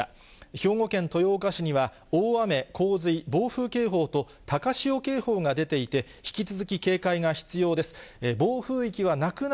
兵庫県豊岡市には、大雨、洪水、暴風警報と高潮警報が出ていて、全国の皆さん、こんにちは。